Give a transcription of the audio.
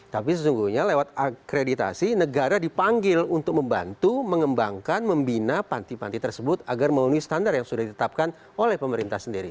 tapi sesungguhnya lewat akreditasi negara dipanggil untuk membantu mengembangkan membina panti panti tersebut agar memenuhi standar yang sudah ditetapkan oleh pemerintah sendiri